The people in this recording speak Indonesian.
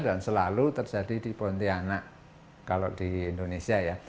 dan selalu terjadi di pontianak kalau di indonesia ya